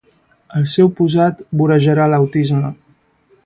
El seu posat vorejarà l'autisme.